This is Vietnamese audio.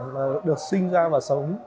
đứa trẻ được sinh ra và sống